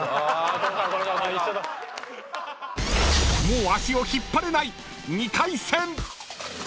［もう足を引っ張れない！］